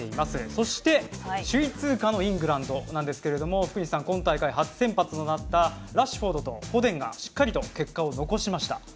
そして首位通過のイングランドですが福西さん、今大会初先発となったラッシュフォードとフォデンがしっかりと結果を残しました。